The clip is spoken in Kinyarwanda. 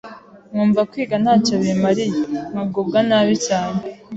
nkumva kwiga ntacyo bimariye nkagubwa nabi cyane,